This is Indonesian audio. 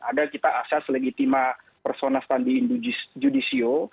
ada kita asas legitima persona standi judisio